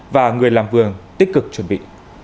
và người làm vườn tích cực chuẩn bị